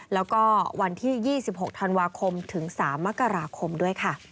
แล้วก็วันที่๒๖ธันวาคมถึง๓มกราคมด้วยค่ะ